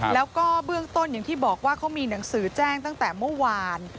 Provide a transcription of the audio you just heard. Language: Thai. แล้วก็เบื้องต้นอย่างที่บอกว่าเขามีหนังสือแจ้งตั้งแต่เมื่อวาน